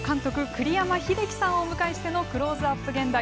栗山英樹さんをお迎えしての「クローズアップ現代」。